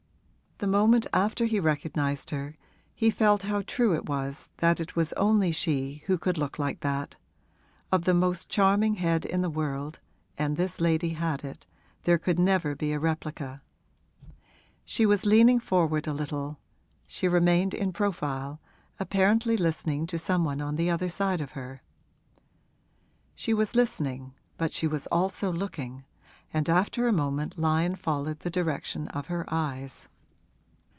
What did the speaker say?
The moment after he recognised her he felt how true it was that it was only she who could look like that: of the most charming head in the world (and this lady had it) there could never be a replica. She was leaning forward a little; she remained in profile, apparently listening to some one on the other side of her. She was listening, but she was also looking, and after a moment Lyon followed the direction of her eyes.